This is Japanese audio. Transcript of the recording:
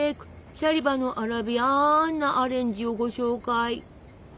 シャリバのアラビアンなアレンジをご紹介！